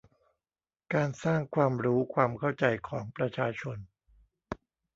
การสร้างความรู้ความเข้าใจของประชาชน